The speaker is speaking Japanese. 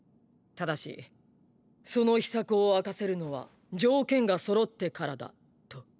ただしその「秘策」を明かせるのは条件が揃ってからだと。